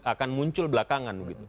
itu muncul belakangan